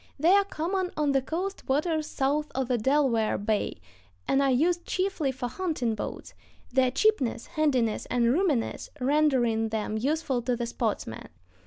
They are common on the coast waters south of the Delaware Bay, and are used chiefly for hunting boats, their cheapness, handiness, and roominess rendering them useful to the sportsman.